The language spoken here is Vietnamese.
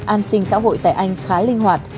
an sinh xã hội tại anh khá linh hoạt